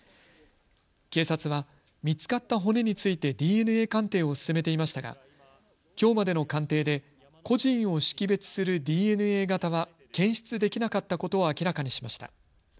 警察は見つかった骨についてＤＮＡ鑑定を進めていましたがきょうまでの鑑定で個人を識別するＤＮＡ型は検出できなかったことを明らかにしました。